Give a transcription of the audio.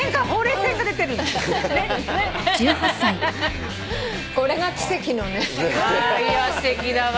いいわすてきだわ。